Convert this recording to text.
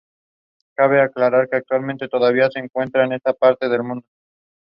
A short descent from "The Bridge" leads into Rift Pot (see below).